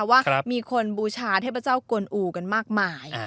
ว่ามีคนบูชาเทพเจ้ากวนอูกันมากมาย